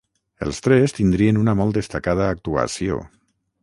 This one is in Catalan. Els tres tindrien una molt destacada actuació.